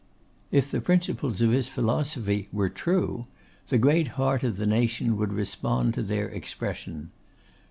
If the principles of his philosophy were true, the great heart of the nation would respond to their expression.